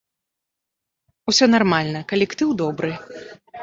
Усё нармальна, калектыў добры.